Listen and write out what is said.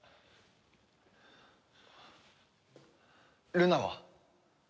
ルナは？